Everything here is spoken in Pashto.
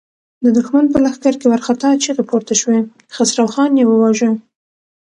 د دښمن په لښکر کې وارخطا چيغې پورته شوې: خسرو خان يې وواژه!